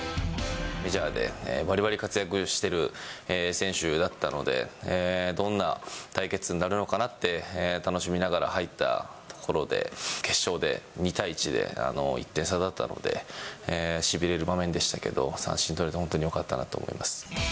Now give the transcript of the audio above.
メジャーでばりばり活躍している選手だったので、どんな対決になるのかなって楽しみながら入ったところで、決勝で２対１で１点差だったので、しびれる場面でしたけど、三振取れて本当によかったなと思います。